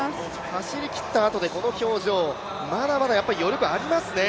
走りきったあとでこの表情まだまだ余力ありますね。